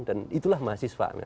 dan itulah mahasiswa